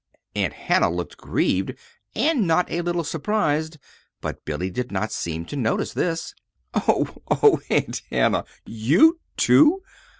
Aunt Hannah looked grieved, and not a little surprised; but Billy did not seem to notice this. "Oh, oh, Aunt Hannah you, too!